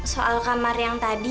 soal kamar yang tadi